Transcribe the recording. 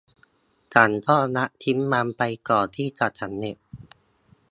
ฉันก็ละทิ้งมันไปก่อนที่จะสำเร็จ